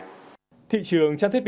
thị trường cho thiết bị phòng cháy chữa cháy